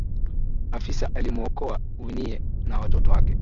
afisa alimwokoa winnie na watoto wake